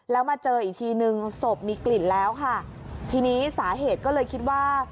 แล้วมาเจออีกทีนึงศพมีกลิ่นแล้วค่ะทีนี้สาเหตุก็เลยคิดว่า